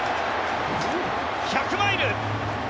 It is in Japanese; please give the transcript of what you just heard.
１００マイル！